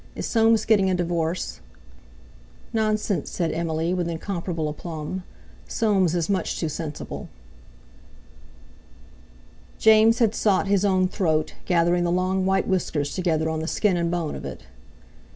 Is Soames getting a divorce?" "Nonsense," said Emily with incomparable aplomb; "Soames is much too sensible." James had sought his own throat, gathering the long white whiskers together on the skin and bone of it.